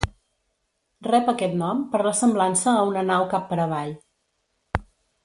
Rep aquest nom per la semblança a una nau cap per avall.